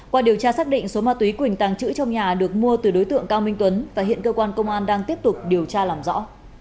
qua điều tra xác định số ma túy quỳnh tàng trữ trong nhà được mua từ đối tượng cao minh tuấn và hiện cơ quan công an đang tiếp tục điều tra làm rõ